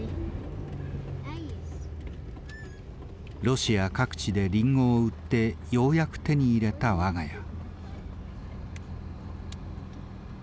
ロシア各地でリンゴを売ってようやく手に入れた我が家。